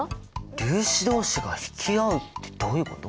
「粒子どうしが引き合う」ってどういうこと？